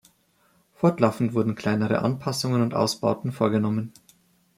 Fortlaufend wurden kleinere Anpassungen und Ausbauten vorgenommen.